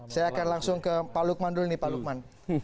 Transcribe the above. saya akan langsung ke pak lukman dulu nih pak lukman